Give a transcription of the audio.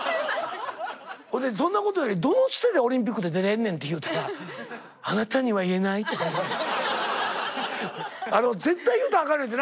そんなことよりどのつてでオリンピックで出れんねんって言うたら「あなたには言えない」とか言われて。